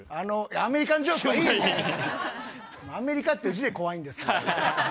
アメリカっていう字で怖いんですから。